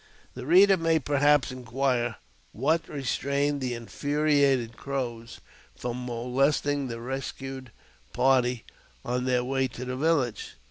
The reader may perhaps inquire what restrained the in furiated Crows from molesting the rescued party on their way to the village.